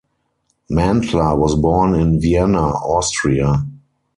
Mantler was born in Vienna, Austria.